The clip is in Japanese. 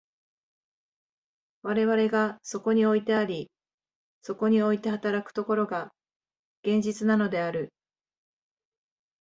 我々がそこにおいてあり、そこにおいて働く所が、現実なのである。